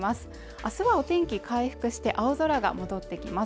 あすはお天気回復して青空が戻ってきます